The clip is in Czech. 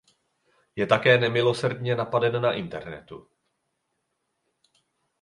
Je také nemilosrdně napaden na internetu.